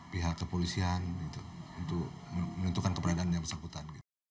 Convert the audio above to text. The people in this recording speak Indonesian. pihak kepolisian untuk menentukan keberadaan yang bersangkutan